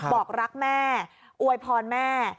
บอกรักแม่อวยพรแม่